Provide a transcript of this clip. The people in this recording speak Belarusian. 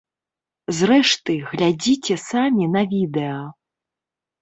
Зрэшты, глядзіце самі на відэа.